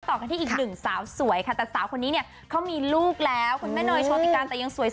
ต่อกันที่อีกหนึ่งสาวสวย